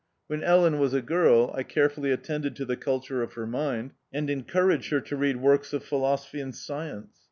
When Ellen was a girl I carefully attended to the culture of her mind, and encouraged her to read works of philosophy and science.